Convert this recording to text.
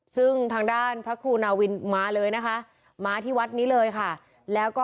ซึ่งทางด้านพระครูนาวินมาเลยนะคะมาที่วัดนี้เลยค่ะแล้วก็